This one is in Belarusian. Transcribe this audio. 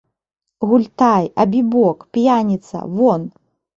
Гультай, абібок, п'яніца, вон!